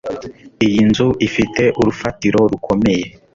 iyi nzu ifite urufatiro rukomeye